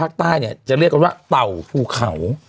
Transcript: ภาคใต้จะเรียกว่าเต่าภูเขา